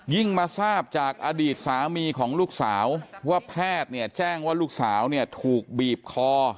มาทราบจากอดีตสามีของลูกสาวว่าแพทย์เนี่ยแจ้งว่าลูกสาวเนี่ยถูกบีบคอ